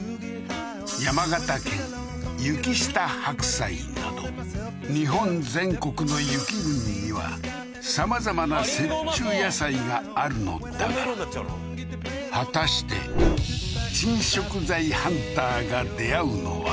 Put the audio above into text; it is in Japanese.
山形県雪下白菜など日本全国の雪国にはさまざまな雪中野菜があるのだが果たして珍食材ハンターが出合うのは？